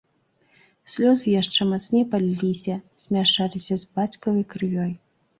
Слёзы яшчэ мацней паліліся, змяшаліся з бацькавай крывёй.